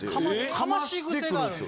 かましてくるんですよ。